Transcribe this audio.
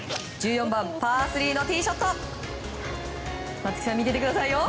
１４番、パー３のティーショット。